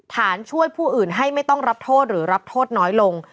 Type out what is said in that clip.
ช่วยผู้อื่นให้ไม่ต้องรับโทษหรือรับโทษน้อยลง